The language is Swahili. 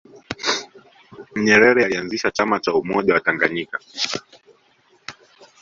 nyerere alianzisha chama cha umoja wa tanganyika